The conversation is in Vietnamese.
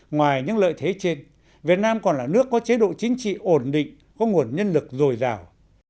ngoài những lợi thế trên việt nam còn là nước có chế độ chính trị ổn định có nguồn nhân lực dồi dào